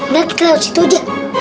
mungkin kita lewat situ aja